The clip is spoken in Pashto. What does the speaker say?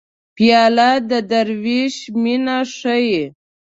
پیاله د دروېش مینه ښيي.